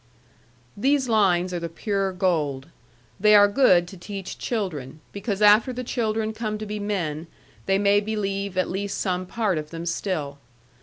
These lines are the pure gold. They are good to teach children; because after the children come to be men, they may believe at least some part of them still.